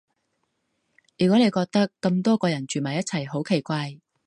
如果你覺得咁多個人住埋一齊好奇怪